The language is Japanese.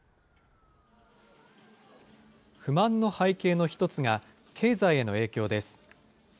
不満の背景の一つが、経済への影響です。